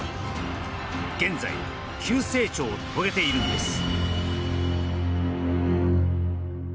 現在、急成長を遂げているんです。